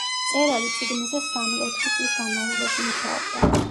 მწერალი წიგნზე სამი-ოთხი წლის განმავლობაში მუშაობდა.